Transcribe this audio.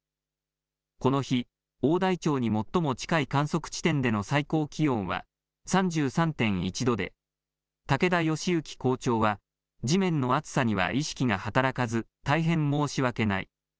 この日を大台町に最も近い観測地点での最高気温は３３．１度で武田善之校長は地面の熱さには意識が働かず大変、申し訳ない。